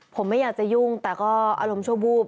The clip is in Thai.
ผมไม่อยากจะยุ่งแต่ก็อารมณ์ชั่ววูบ